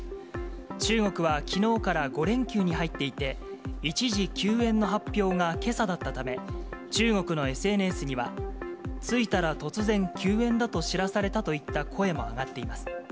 中国はきのうから５連休に入っていて、一時休園の発表がけさだったため、中国のＳＮＳには、着いたら突然休園だと知らされたといった声も上がっています。